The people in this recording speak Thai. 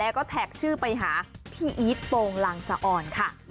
แล้วก็แท็กชื่อไปหาพี่อีทโปรงลังสะอ่อนค่ะ